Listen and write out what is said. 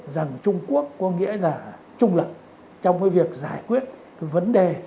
rằng trung quốc có nghĩa là trung lực trong cái việc giải quyết cái vấn đề